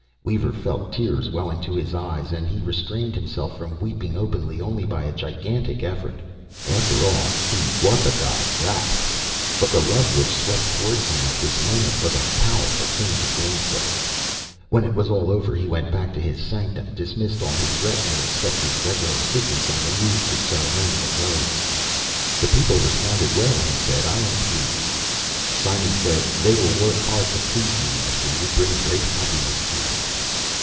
Weaver felt tears welling to His eyes, and He restrained Himself from weeping openly only by a gigantic effort. After all, He was a god of wrath; but the love which swept toward Him at this moment was a powerful thing to gainsay. When it was all over, He went back to His sanctum, dismissed all His retinue except His regular assistants, and removed the ceremonial robes. "The people responded well," He said. "I am pleased." Simon said, "They will work hard to please You, Master. You bring great happiness to them."